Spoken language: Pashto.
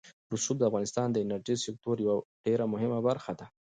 رسوب د افغانستان د انرژۍ سکتور یوه ډېره مهمه برخه ده.